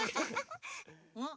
うん？